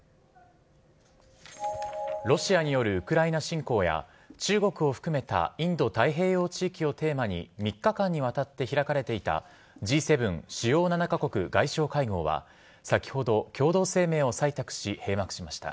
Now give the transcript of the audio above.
ロシアによるウクライナ侵攻や、中国を含めたインド太平洋地域をテーマに、３日間にわたって開かれていた、Ｇ７・主要７か国外相会合は、先ほど共同声明を採択し閉幕しました。